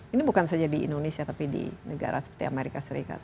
ini bukan saja di indonesia tapi di negara seperti amerika serikat